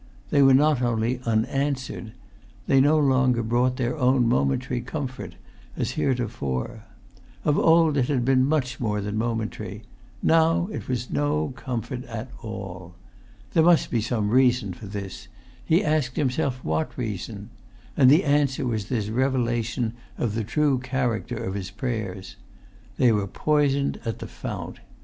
They were not only unanswered; they no longer brought their own momentary comfort, as heretofore. Of old it had been much more than momentary; now it was no comfort at all. There must be some reason for this; he asked himself what reason; and the answer was this revelation of the true character of his prayers. They were poisoned at the fount.